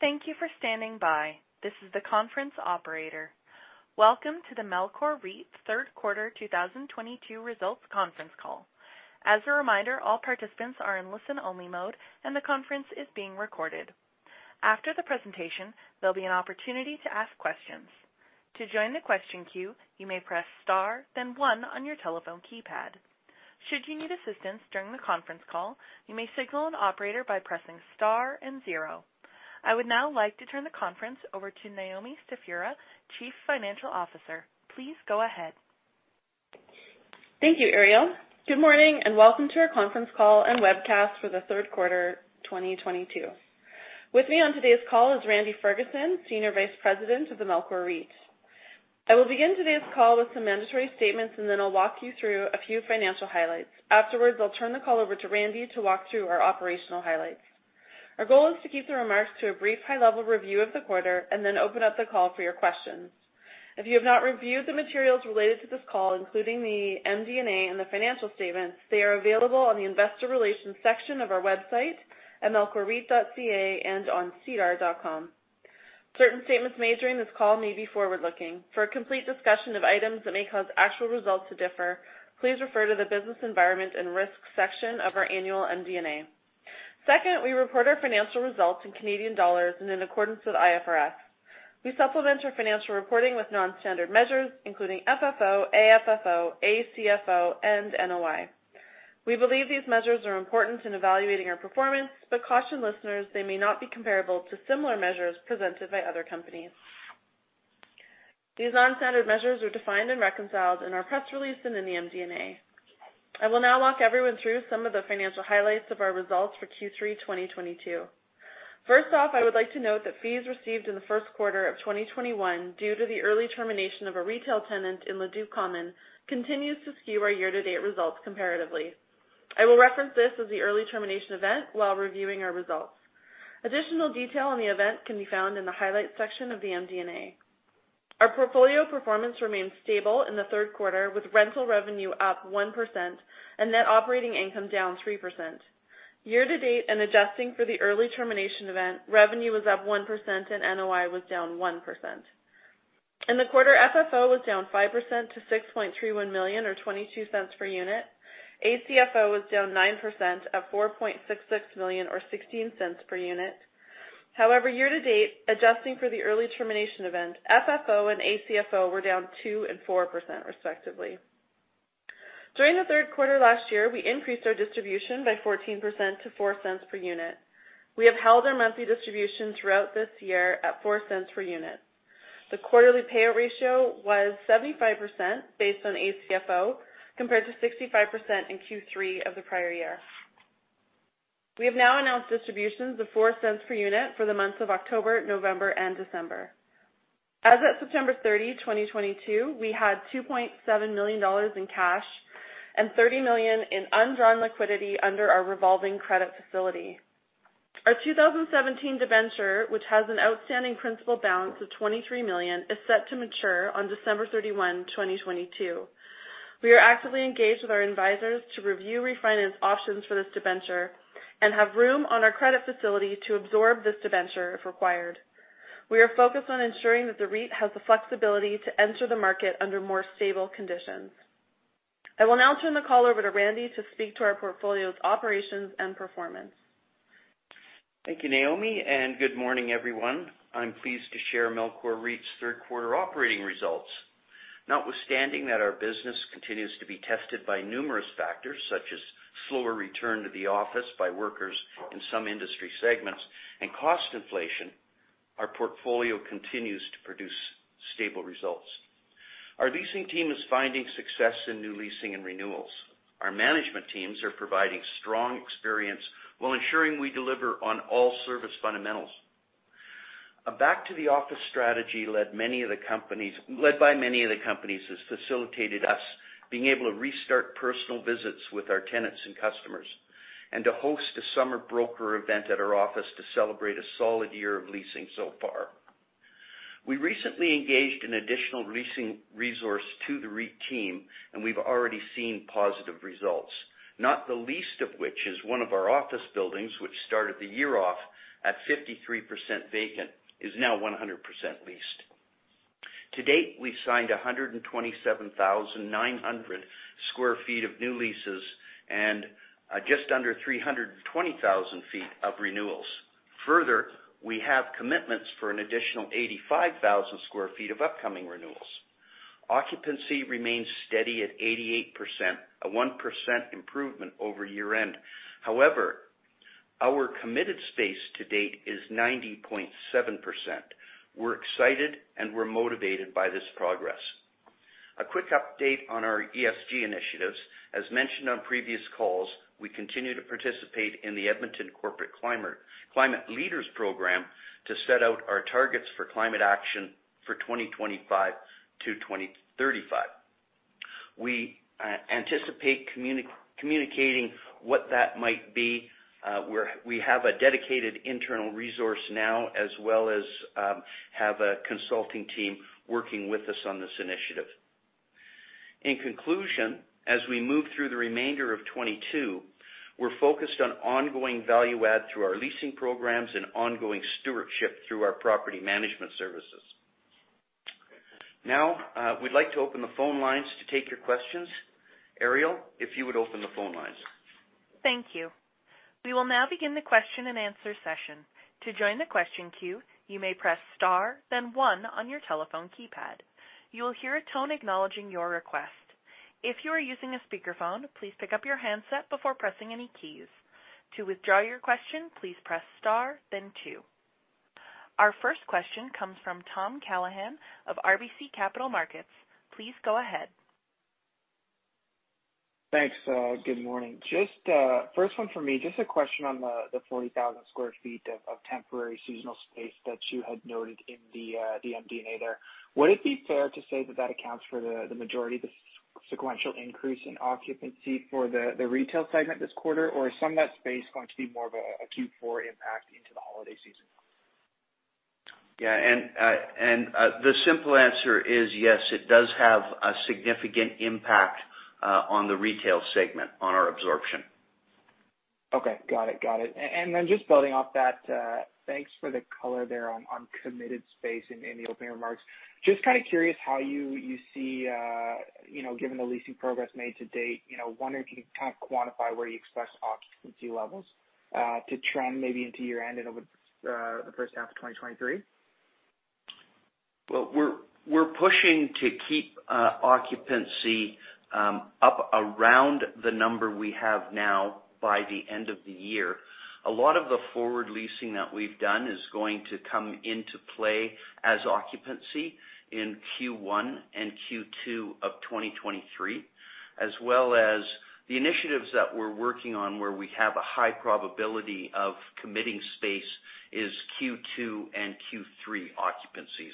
Thank you for standing by. This is the conference operator. Welcome to the Melcor REIT third quarter 2022 results conference call. As a reminder, all participants are in listen-only mode, and the conference is being recorded. After the presentation, there'll be an opportunity to ask questions. To join the question queue, you may press Star, then one on your telephone keypad. Should you need assistance during the conference call, you may signal an operator by pressing Star and zero. I would now like to turn the conference over to Naomi Stefura, Chief Financial Officer. Please go ahead. Thank you, Ariel. Good morning, and welcome to our conference call and webcast for the third quarter 2022. With me on today's call is Randy Ferguson, Senior Vice President of the Melcor REIT. I will begin today's call with some mandatory statements, and then I'll walk you through a few financial highlights. Afterwards, I'll turn the call over to Randy to walk through our operational highlights. Our goal is to keep the remarks to a brief high-level review of the quarter and then open up the call for your questions. If you have not reviewed the materials related to this call, including the MD&A and the financial statements, they are available on the investor relations section of our website, at melcorreit.ca and on sedar.com. Certain statements made during this call may be forward-looking. For a complete discussion of items that may cause actual results to differ, please refer to the Business Environment and Risk section of our annual MD&A. Second, we report our financial results in Canadian dollars and in accordance with IFRS. We supplement our financial reporting with non-standard measures, including FFO, AFFO, ACFO, and NOI. We believe these measures are important in evaluating our performance, but caution listeners they may not be comparable to similar measures presented by other companies. These non-standard measures are defined and reconciled in our press release and in the MD&A. I will now walk everyone through some of the financial highlights of our results for Q3 2022. First off, I would like to note that fees received in the first quarter of 2021 due to the early termination of a retail tenant in Leduc Common continues to skew our year-to-date results comparatively. I will reference this as the early termination event while reviewing our results. Additional detail on the event can be found in the Highlights section of the MD&A. Our portfolio performance remains stable in the third quarter, with rental revenue up 1% and net operating income down 3%. Year-to-date and adjusting for the early termination event, revenue was up 1% and NOI was down 1%. In the quarter, FFO was down 5% to 6.31 million or 0.22 per unit. ACFO was down 9% at 4.66 million or 0.16 per unit. However, year-to-date, adjusting for the early termination event, FFO and ACFO were down 2% and 4%, respectively. During the third quarter last year, we increased our distribution by 14% to 0.04 per unit. We have held our monthly distribution throughout this year at 0.04 per unit. The quarterly payout ratio was 75% based on ACFO, compared to 65% in Q3 of the prior year. We have now announced distributions of 0.04 per unit for the months of October, November, and December. As of September 30, 2022, we had 2.7 million dollars in cash and 30 million in undrawn liquidity under our revolving credit facility. Our 2017 debenture, which has an outstanding principal balance of 23 million, is set to mature on December 31, 2022. We are actively engaged with our advisors to review refinance options for this debenture and have room on our credit facility to absorb this debenture if required. We are focused on ensuring that the REIT has the flexibility to enter the market under more stable conditions. I will now turn the call over to Randy to speak to our portfolio's operations and performance. Thank you, Naomi, and good morning, everyone. I'm pleased to share Melcor REIT's third quarter operating results. Notwithstanding that our business continues to be tested by numerous factors such as slower return to the office by workers in some industry segments and cost inflation, our portfolio continues to produce stable results. Our leasing team is finding success in new leasing and renewals. Our management teams are providing strong experience while ensuring we deliver on all service fundamentals. A back-to-the-office strategy led by many of the companies has facilitated us being able to restart personal visits with our tenants and customers, and to host a summer broker event at our office to celebrate a solid year of leasing so far. We recently engaged an additional leasing resource to the REIT team, and we've already seen positive results, not the least of which is one of our office buildings, which started the year off at 53% vacant, is now 100% leased. To date, we've signed 127,900 sq ft of new leases and just under 320,000 sq ft of renewals. Further, we have commitments for an additional 85,000 sq ft of upcoming renewals. Occupancy remains steady at 88%, a 1% improvement over year-end. However, our committed space to date is 90.7%. We're excited, and we're motivated by this progress. A quick update on our ESG initiatives. As mentioned on previous calls, we continue to participate in the Edmonton Corporate Climate Leaders Program to set out our targets for climate action for 2025 to 2035. We anticipate communicating what that might be. We have a dedicated internal resource now, as well as have a consulting team working with us on this initiative. In conclusion, as we move through the remainder of 2022, we're focused on ongoing value add through our leasing programs and ongoing stewardship through our property management services. Now, we'd like to open the phone lines to take your questions. Ariel, if you would open the phone lines. Thank you. We will now begin the question-and-answer session. To join the question queue, you may press Star, then One on your telephone keypad. You will hear a tone acknowledging your request. If you are using a speakerphone, please pick up your handset before pressing any keys. To withdraw your question, please press Star then Two. Our first question comes from Matt McKellar of RBC Capital Markets. Please go ahead. Thanks, good morning. Just, first one for me, just a question on the 40,000 sq ft of temporary seasonal space that you had noted in the MD&A there. Would it be fair to say that that accounts for the majority of the sequential increase in occupancy for the retail segment this quarter? Or is some of that space going to be more of a Q4 impact into the holiday season? The simple answer is yes, it does have a significant impact on the retail segment on our absorption. Okay. Got it. And then just building off that, thanks for the color there on committed space in the opening remarks. Just kind of curious how you see, you know, given the leasing progress made to date, you know, wondering if you can kind of quantify where you expect occupancy levels to trend maybe into year-end and over the first half of 2023. Well, we're pushing to keep occupancy up around the number we have now by the end of the year. A lot of the forward leasing that we've done is going to come into play as occupancy in Q1 and Q2 of 2023, as well as the initiatives that we're working on where we have a high probability of committing space is Q2 and Q3 occupancies.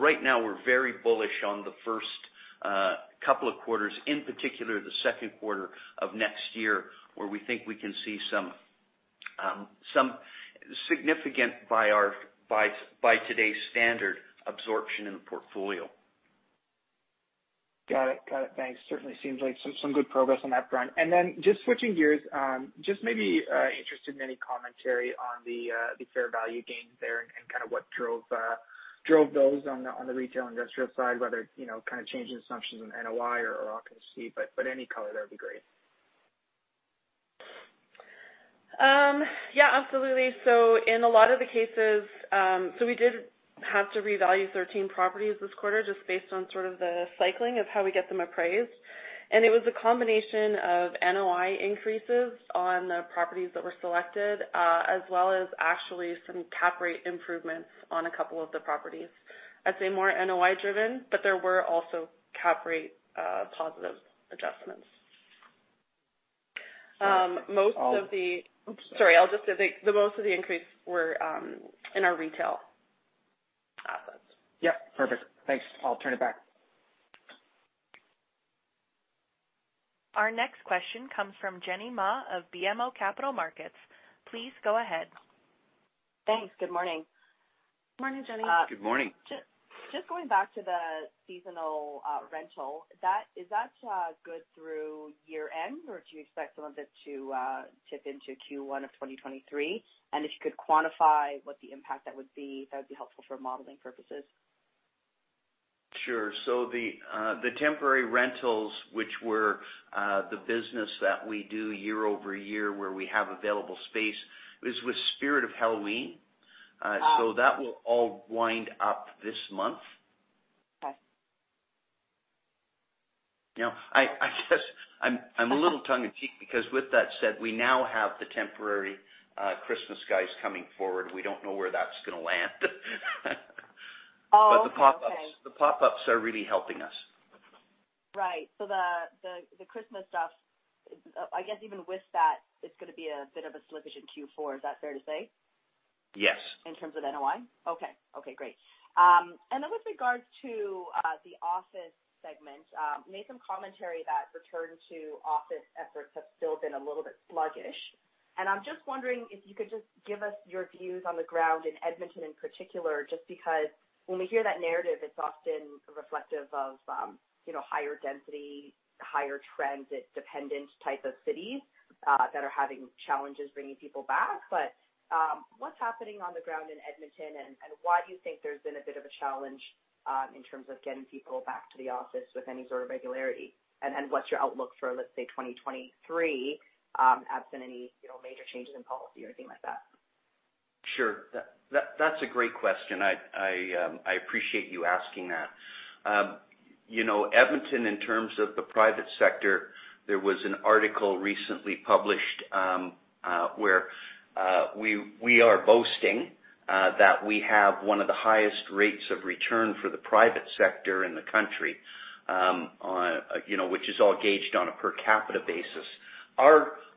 Right now we're very bullish on the first couple of quarters, in particular, the second quarter of next year, where we think we can see some significant by today's standard absorption in the portfolio. Got it. Thanks. Certainly seems like some good progress on that front. Just switching gears, just maybe interested in any commentary on the fair value gains there and kind of what drove those on the retail industrial side, whether it's you know kind of changing assumptions in NOI or occupancy, but any color there would be great. Yeah, absolutely. In a lot of the cases, we did have to revalue 13 properties this quarter just based on sort of the cycling of how we get them appraised. It was a combination of NOI increases on the properties that were selected, as well as actually some cap rate improvements on a couple of the properties. I'd say more NOI-driven, but there were also cap rate positive adjustments. Most of the. I'll- Sorry, I'll just say the most of the increase were in our retail assets. Yep. Perfect. Thanks. I'll turn it back. Our next question comes from Jenny Ma of BMO Capital Markets. Please go ahead. Thanks. Good morning. Morning, Jenny. Good morning. Just going back to the seasonal rental, is that good through year-end, or do you expect some of it to tip into Q1 of 2023? If you could quantify what the impact that would be, that would be helpful for modeling purposes. Sure. The temporary rentals, which were the business that we do year over year where we have available space, is with Spirit Halloween. Ah. That will all wind up this month. Okay. You know, I guess I'm a little tongue in cheek because with that said, we now have the temporary, Christmas guys coming forward. We don't know where that's gonna land. Oh, okay. The pop-ups are really helping us. Right. The Christmas stuff, I guess even with that, it's gonna be a bit of a slip into Q4. Is that fair to say? Yes. In terms of NOI? Okay. Okay, great. With regards to the office segment, made some commentary that return to office efforts have still been a little bit sluggish. I'm just wondering if you could just give us your views on the ground in Edmonton in particular, just because when we hear that narrative, it's often reflective of you know, higher density, higher transit-dependent type of cities that are having challenges bringing people back. What's happening on the ground in Edmonton, and why do you think there's been a bit of a challenge in terms of getting people back to the office with any sort of regularity? What's your outlook for, let's say, 2023, absent any you know, major changes in policy or anything like that? Sure. That's a great question. I appreciate you asking that. You know, Edmonton in terms of the private sector, there was an article recently published, where we are boasting that we have one of the highest rates of return for the private sector in the country, you know, which is all gauged on a per capita basis.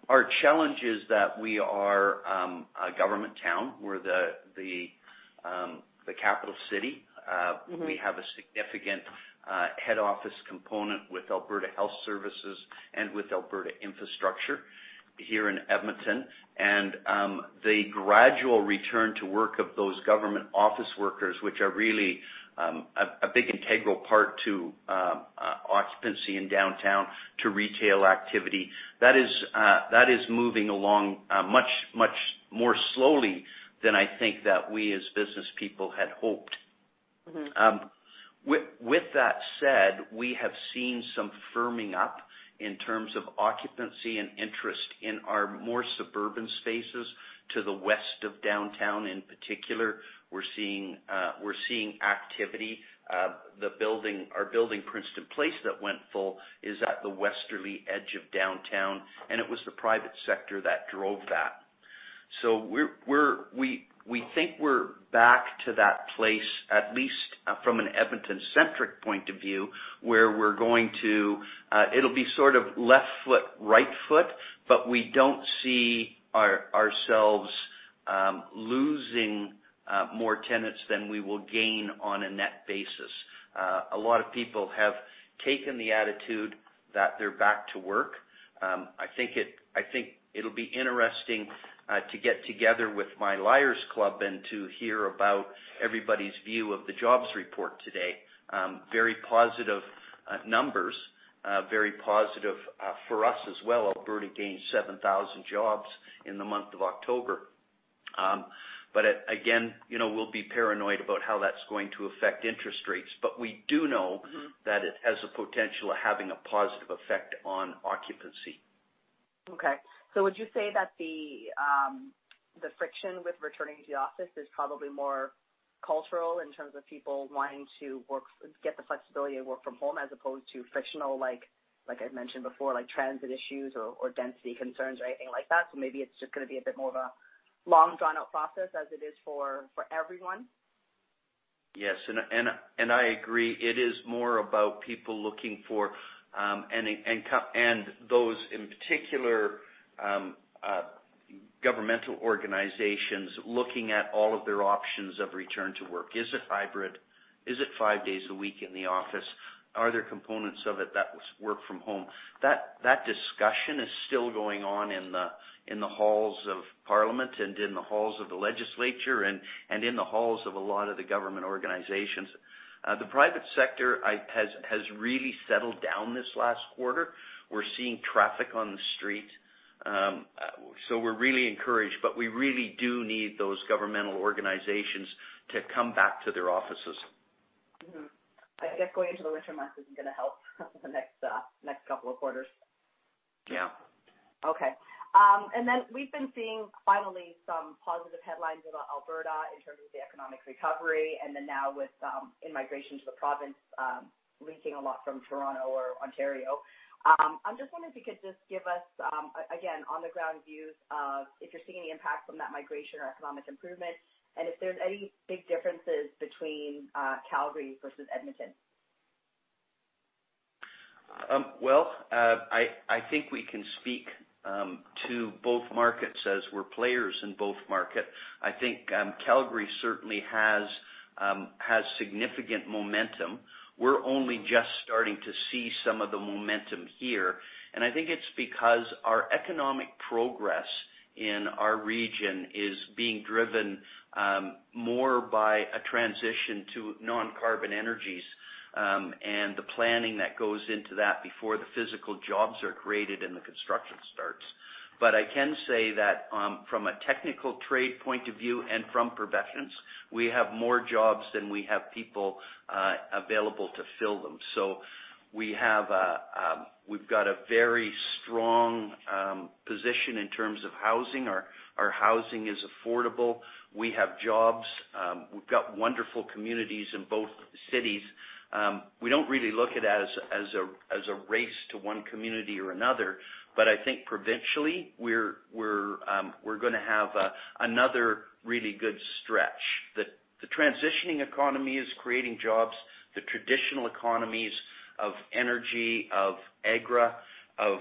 Our challenge is that we are a government town. We're the capital city. Mm-hmm. We have a significant head office component with Alberta Health Services and with Alberta Infrastructure. Here in Edmonton. The gradual return to work of those government office workers, which are really a big integral part to occupancy in downtown to retail activity. That is moving along much more slowly than I think that we as business people had hoped. Mm-hmm. With that said, we have seen some firming up in terms of occupancy and interest in our more suburban spaces to the west of downtown in particular. We're seeing activity. Our building, Princeton Place, that went full is at the westerly edge of downtown, and it was the private sector that drove that. We think we're back to that place, at least from an Edmonton-centric point of view, where we're going to. It'll be sort of left foot, right foot, but we don't see ourselves losing more tenants than we will gain on a net basis. A lot of people have taken the attitude that they're back to work. I think it'll be interesting to get together with my Liars Club and to hear about everybody's view of the jobs report today. Very positive numbers, very positive for us as well. Alberta gained 7,000 jobs in the month of October. Again, you know, we'll be paranoid about how that's going to affect interest rates. We do know. Mm-hmm. that it has a potential of having a positive effect on occupancy. Okay. Would you say that the friction with returning to the office is probably more cultural in terms of people wanting to work, get the flexibility to work from home as opposed to frictional, like I mentioned before, like transit issues or density concerns or anything like that? Maybe it's just gonna be a bit more of a long drawn-out process as it is for everyone. Yes. I agree. It is more about people looking for those in particular governmental organizations looking at all of their options of return to work. Is it hybrid? Is it five days a week in the office? Are there components of it that was work from home? That discussion is still going on in the halls of Parliament and in the halls of the legislature and in the halls of a lot of the government organizations. The private sector has really settled down this last quarter. We're seeing traffic on the street. We're really encouraged, but we really do need those governmental organizations to come back to their offices. Mm-hmm. I guess going into the winter months isn't gonna help the next couple of quarters. Yeah. Okay. We've been seeing finally some positive headlines about Alberta in terms of the economic recovery and then now with in-migration to the province leaking a lot from Toronto or Ontario. I'm just wondering if you could just give us again on-the-ground views of if you're seeing any impact from that migration or economic improvement, and if there's any big differences between Calgary versus Edmonton. Well, I think we can speak to both markets as we're players in both market. I think Calgary certainly has significant momentum. We're only just starting to see some of the momentum here, and I think it's because our economic progress in our region is being driven more by a transition to non-carbon energies and the planning that goes into that before the physical jobs are created and the construction starts. I can say that from a technical trade point of view and from professions, we have more jobs than we have people available to fill them. We've got a very strong position in terms of housing. Our housing is affordable. We have jobs. We've got wonderful communities in both cities. We don't really look at it as a race to one community or another. I think provincially, we're gonna have another really good stretch. The transitioning economy is creating jobs. The traditional economies of energy, of agri, of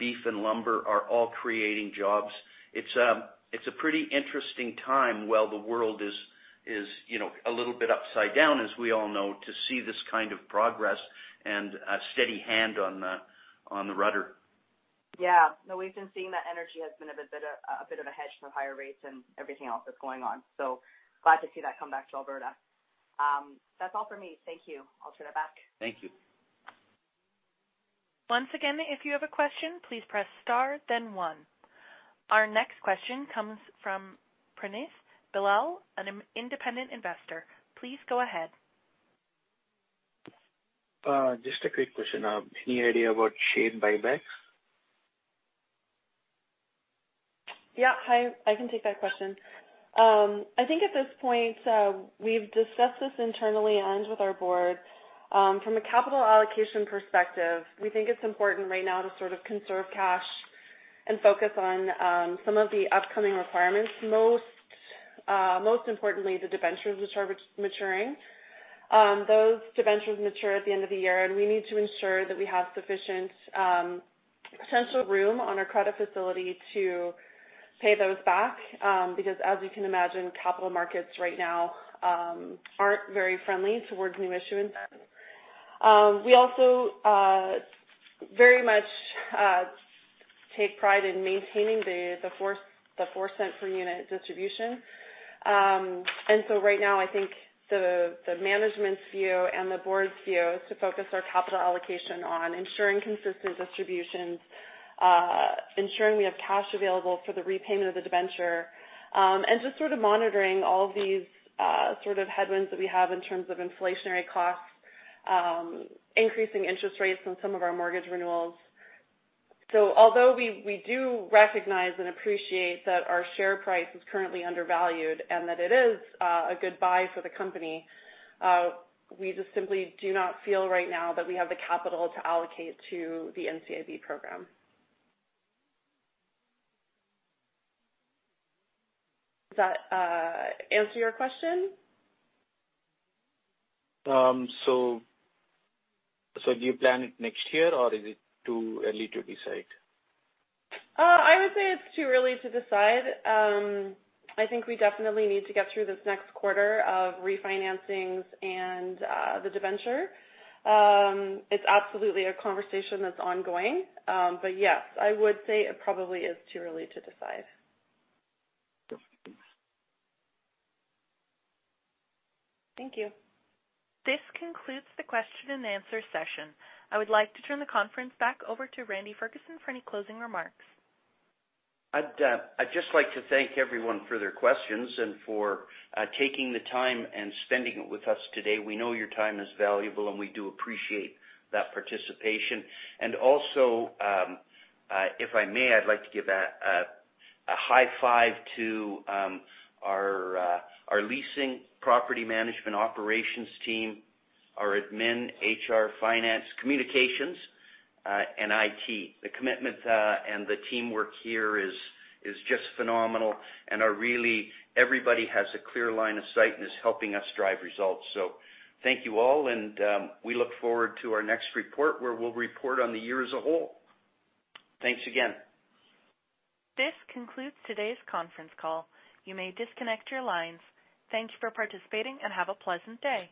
beef and lumber are all creating jobs. It's a pretty interesting time while the world is, you know, a little bit upside down, as we all know, to see this kind of progress and a steady hand on the rudder. Yeah. No, we've been seeing that energy has been a bit of a hedge for higher rates and everything else that's going on. Glad to see that come back to Alberta. That's all for me. Thank you. I'll turn it back. Thank you. Once again, if you have a question, please press star then one. Our next question comes from Pranis Bilal, an independent investor. Please go ahead. Just a quick question. Any idea about share buybacks? Yeah. Hi, I can take that question. I think at this point, we've discussed this internally and with our board, from a capital allocation perspective, we think it's important right now to sort of conserve cash and focus on some of the upcoming requirements, most importantly, the debentures which are maturing. Those debentures mature at the end of the year, and we need to ensure that we have sufficient potential room on our credit facility to pay those back. Because as you can imagine, capital markets right now aren't very friendly towards new issuance. We also very much take pride in maintaining the 4 cent per unit distribution. Right now, I think the management's view and the board's view is to focus our capital allocation on ensuring consistent distributions, ensuring we have cash available for the repayment of the debenture, and just sort of monitoring all of these sort of headwinds that we have in terms of inflationary costs, increasing interest rates on some of our mortgage renewals. Although we do recognize and appreciate that our share price is currently undervalued and that it is a good buy for the company, we just simply do not feel right now that we have the capital to allocate to the NCIB program. Does that answer your question? Do you plan it next year, or is it too early to decide? I would say it's too early to decide. I think we definitely need to get through this next quarter of refinancings and the debenture. It's absolutely a conversation that's ongoing. Yes, I would say it probably is too early to decide. Perfect. Thank you. This concludes the question and answer session. I would like to turn the conference back over to Randy Ferguson for any closing remarks. I'd just like to thank everyone for their questions and for taking the time and spending it with us today. We know your time is valuable, and we do appreciate that participation. Also, if I may, I'd like to give a high five to our leasing property management operations team, our admin, HR, finance, communications, and IT. The commitment and the teamwork here is just phenomenal. Everybody has a clear line of sight and is helping us drive results. Thank you all, and we look forward to our next report where we'll report on the year as a whole. Thanks again. This concludes today's conference call. You may disconnect your lines. Thank you for participating, and have a pleasant day.